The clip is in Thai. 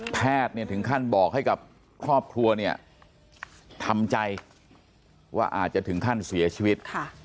แพทย์เนี่ยถึงขั้นบอกให้กับครอบครัวเนี่ยทำใจว่าอาจจะถึงขั้นเสียชีวิต